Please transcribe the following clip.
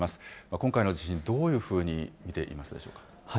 今回の地震、どういうふうに見ていますでしょうか。